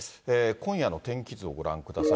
今夜の天気図をご覧ください。